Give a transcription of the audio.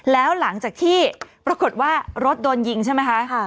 แล้วหลังจากที่ปรากฏว่ารถโดนยิงใช่ไหมคะ